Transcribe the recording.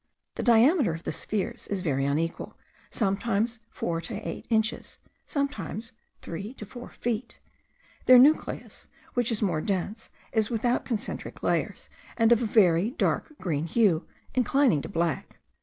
The diameter of the spheres is very unequal, sometimes four or eight inches, sometimes three or four feet; their nucleus, which is more dense, is without concentric layers, and of a very dark green hue, inclining to black.